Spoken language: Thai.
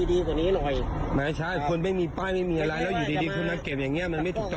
ทัวร์ร่ำ๑๐๐บาทเป็นเมาโยบายของพัมพ์เชียว